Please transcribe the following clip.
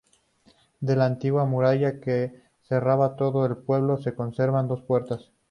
De la antigua muralla que cerraba todo el pueblo, se conservan dos puertas.